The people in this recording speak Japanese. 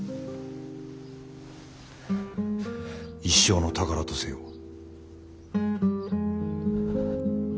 一生の宝とせよ。